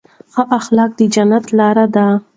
ښه اخلاق د جنت لاره ده.